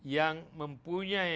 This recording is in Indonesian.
yang mempunyai juga